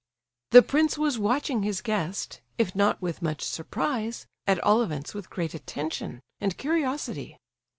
The prince was watching his guest, if not with much surprise, at all events with great attention and curiosity.